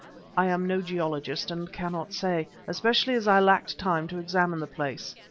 I am no geologist, and cannot say, especially as I lacked time to examine the place.